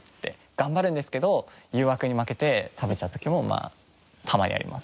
頑張るんですけど誘惑に負けて食べちゃう時もたまにあります。